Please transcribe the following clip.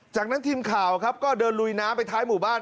จากนั้นทีมข่าวครับก็เดินลุยน้ำไปท้ายหมู่บ้าน